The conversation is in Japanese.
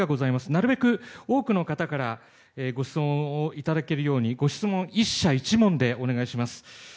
なるべく多くの方からご質問をいただけるようにご質問１社１問でお願いいたします。